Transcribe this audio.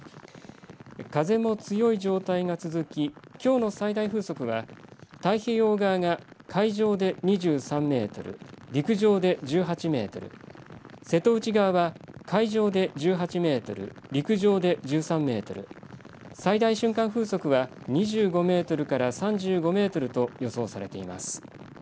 風も強い状態が続ききょうの最大風速は太平洋側が海上で２３メートル、陸上で１８メートル、瀬戸内側は海上で１８メートル、陸上で１３メートル、最大瞬間風速は２５メートルから３５メートルと予想されています。